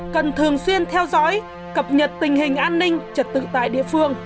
cần thường xuyên theo dõi cập nhật tình hình an ninh trật tự tại địa phương